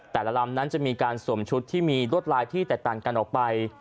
ลำนั้นจะมีการสวมชุดที่มีรวดลายที่แตกต่างกันออกไป